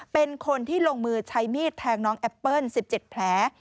เป็นคนที่ลงมือใช้มีดแทงน้องแอปเปิ้ล๑๗แผล